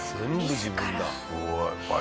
すごい。